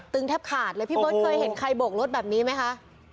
แทบขาดเลยพี่เบิร์ตเคยเห็นใครโบกรถแบบนี้ไหมคะ